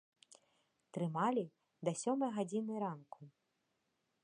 Трымалі да сёмай гадзіны ранку.